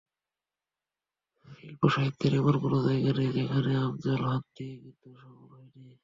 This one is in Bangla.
শিল্প-সাহিত্যের এমন কোনো জায়গা নেই, যেখানে আফজাল হাত দিয়েছে কিন্তু সফল হয়নি।